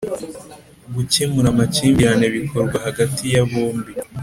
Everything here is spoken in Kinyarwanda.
gukemura amakimbirane bikorwa hagati ya bombi